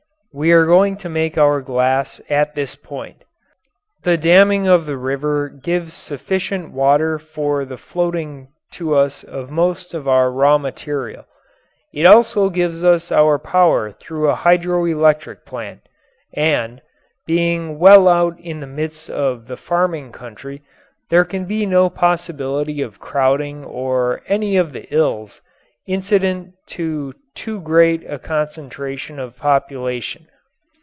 We are going to make our glass at this point. The damming of the river gives sufficient water for the floating to us of most of our raw material. It also gives us our power through a hydroelectric plant. And, being well out in the midst of the farming country, there can be no possibility of crowding or any of the ills incident to too great a concentration of population.